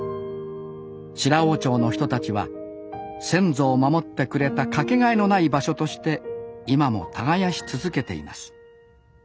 白王町の人たちは先祖を守ってくれた掛けがえのない場所として今も耕し続けています